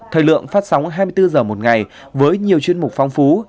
thời lượng phát sóng hai mươi bốn h một ngày với nhiều chuyên mục phong phú